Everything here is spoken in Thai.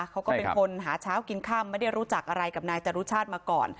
เขาก็เป็นคนหาเช้ากินค่ำไม่ได้รู้จักอะไรกับนายจรุชาติมาก่อน